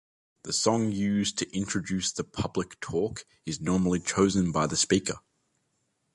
The song used to introduce the public talk is normally chosen by the speaker.